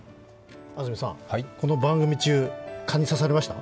この番組中、蚊に刺されました？